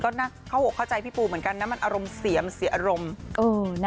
ก็น่าเข้าอกเข้าใจพี่ปูเหมือนกันนะมันอารมณ์เสียมเสียอารมณ์